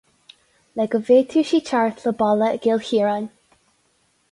Le go bhféadfadh sí teacht le balla i gCill Chiaráin.